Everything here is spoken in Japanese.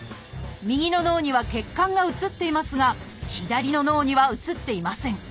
右の脳には血管が写っていますが左の脳には写っていません。